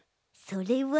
それは。